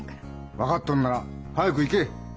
分かっとるなら早く行け！